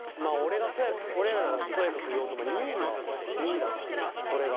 俺らがとやかく言おうとも２位は２位だからねそれが。